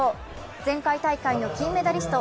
前回大会の金メダリスト